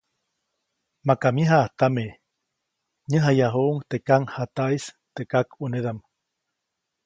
Maka myäjaʼajtame, näjayajuʼuŋ teʼ kaŋjataʼis teʼ kakʼuneʼdam.